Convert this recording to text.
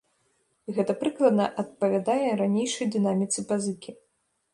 Гэта прыкладна адпавядае ранейшай дынаміцы пазыкі.